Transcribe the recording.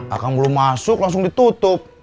akan belum masuk langsung ditutup